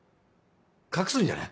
隠すんじゃな？